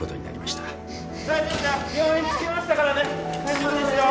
・大丈夫ですよ